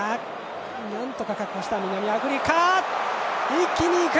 一気にいく！